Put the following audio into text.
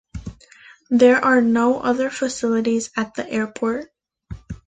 There are no other facilities at the airport.